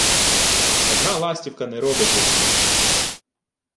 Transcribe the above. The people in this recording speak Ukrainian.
Одна ластівка не робить весни.